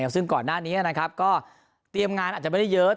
ซึ่งก่อนหน้านี้ก็เตรียมงานอาจจะไม่ได้เยอะ